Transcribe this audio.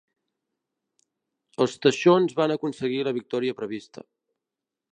Els teixons van aconseguir la victòria prevista.